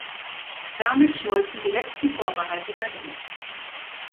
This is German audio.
Damit schmolzen die letzten Vorbehalte dahin.